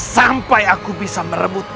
sampai aku bisa merebut